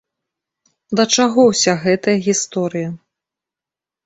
Да чаго ўся гэтая гісторыя?